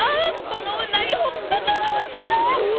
このうなぎほっぺたが落ちそう。